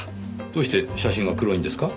どうして写真が黒いんですか？